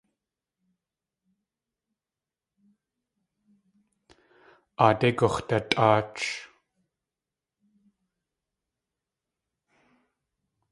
Aadé gux̲datʼáach.